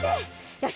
よし。